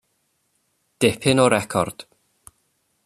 Dipyn o record.